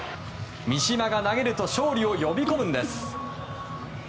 三嶋が投げると勝利を呼び込むんです。